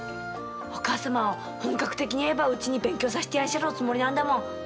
お母様は本格的に絵ばうちに勉強させてやんしゃるおつもりなんだもん。